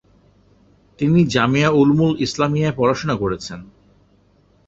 তিনি জামিয়া উলুমুল ইসলামিয়ায় পড়াশুনা করেছেন।